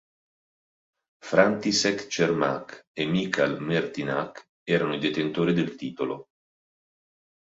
František Čermák e Michal Mertiňák erano i detentori del titolo.